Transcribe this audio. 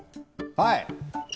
はい！